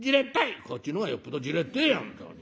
「こっちの方がよっぽどじれってえや本当に。